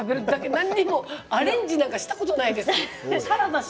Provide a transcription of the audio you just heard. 何もアレンジなんてしたことないです。